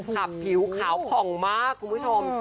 ขับผิวขาวผ่องมากคุณผู้ชม